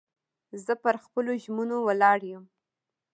زه پر خپلو ژمنو ولاړ یم.